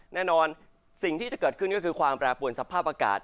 แน่นอนสิ่งที่จะเกิดขึ้นก็คือความแปรปวนสภาพอากาศ